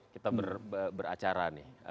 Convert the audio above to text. kita beracara nih